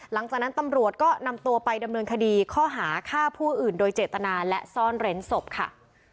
หลังจากนั้นตำรวจก็นำตัวไปดำเนินคดีข้อหาฆ่าผู้อื่นโดยเจตนาและซ่อนเร้นศพค่ะ